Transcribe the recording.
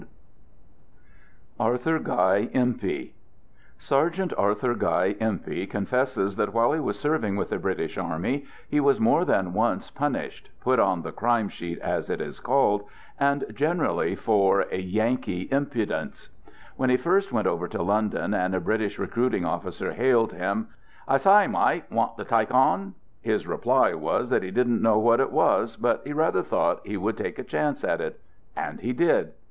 Digitized by ARTHUR GUY EMPEY Sergeant Arthur Guy Empey confesses that while he was serving with the British army he was more than once punished, put on the Crime Sheet as it is called, and generally for "Yankee impu dence." When he first went over to London, and a British recruiting officer hailed him: " I s'y, myte, want to tyke on ?" his reply was that he didn't know what it was, but he rather thought he Would take a chance at it. And he did.